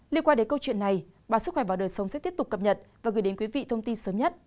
liên quan đến câu chuyện này báo sức khỏe và đời sống sẽ tiếp tục cập nhật và gửi đến quý vị thông tin sớm nhất